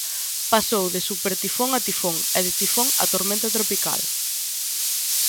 Pasou de supertifón a tifón, e de tifón a tormenta tropical.